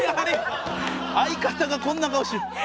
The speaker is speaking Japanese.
相方がこんな顔してる！